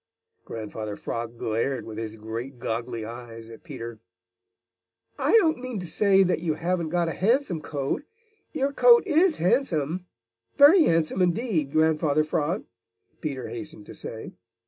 Grandfather Frog glared with his great, goggly eyes at Peter. "I didn't mean to say that you haven't got a handsome coat. Your coat is handsome, very handsome indeed, Grandfather Frog," Peter hastened to say.